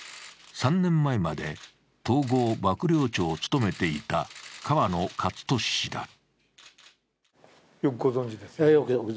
３年前まで統合幕僚長を務めていた河野克俊氏だ。